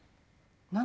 何？